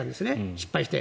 失敗して。